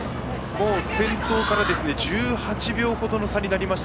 もう先頭から１８秒ほどの差になりました。